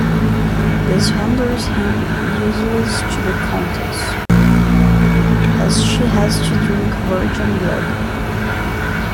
This renders him useless to the Countess as she has to drink virgin blood.